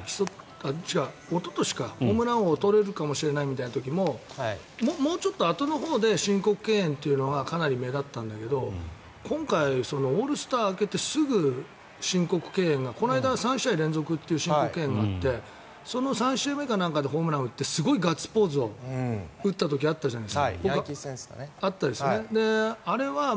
違う、おととしかホームラン王を取れるかもしれないという時ももうちょっとあとのほうで申告敬遠というのがかなり目立ったんだけど今回、オールスター明けてすぐ申告敬遠がこの間、３試合連続という申告敬遠があってその３週目かなんかでホームランを打ってすごいガッツポーズをした時があったじゃないですか。